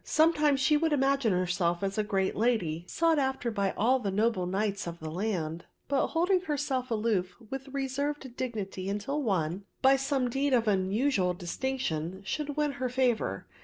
Sometimes she would imagine herself as a great lady, sought after by all the noble knights of the land, but holding herself aloof with reserved dignity until one, by some deed of unusual distinction, should win her favour.